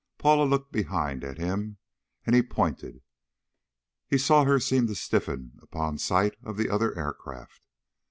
Paula looked behind at him, and he pointed. He saw her seem to stiffen upon sight of the other aircraft.